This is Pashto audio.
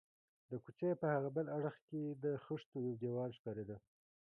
د کوڅې په هاغه بل اړخ کې د خښتو یو دېوال ښکارېده.